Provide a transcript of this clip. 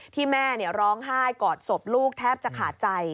ที่แม่ร้องไห้กอดศพลูกแทบจะขาดใจ